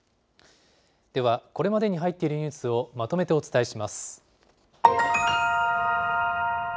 では、これまでに入っているニュースをまとめてお伝えします。